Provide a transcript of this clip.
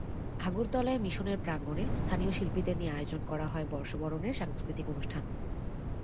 আগরতলায় মিশনের প্রাঙ্গণে স্থানীয় শিল্পীদের নিয়ে আয়োজন করা হয় বর্ষবরণের সাংস্কৃতিক অনুষ্ঠান।